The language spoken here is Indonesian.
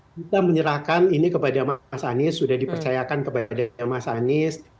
kita menyerahkan ini kepada mas anies sudah dipercayakan kepada mas anies